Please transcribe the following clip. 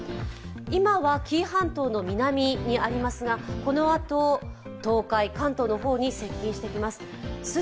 今は紀伊半島の南にありますがこのあと東海、関東の方に接近してきます。